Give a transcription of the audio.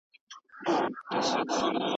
هغه د شیدو په څښلو مصروفه دی.